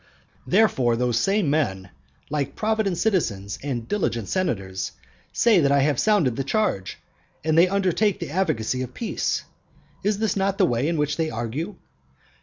Therefore those same men, like provident citizens and diligent senators, say that I have sounded the charge, and they undertake the advocacy of peace. Is not this the way in which they argue?